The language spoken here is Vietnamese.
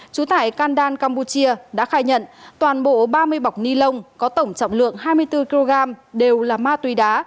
trú tại kandan campuchia đã khai nhận toàn bộ ba mươi bọc ni lông có tổng trọng lượng hai mươi bốn kg đều là ma túy đá